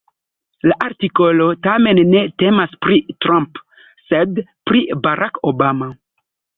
La artikolo tamen ne temas pri Trump, sed pri Barack Obama.